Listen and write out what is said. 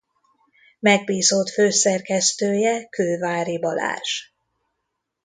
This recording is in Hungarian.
Megbízott főszerkesztője Kőváry Balázs.